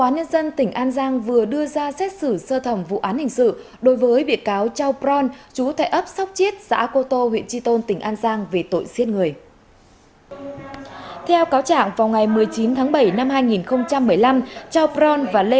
các bạn hãy đăng ký kênh để ủng hộ kênh của chúng mình nhé